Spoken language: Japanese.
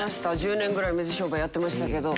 １０年ぐらい水商売やってましたけど。